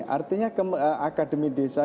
artinya akademi desa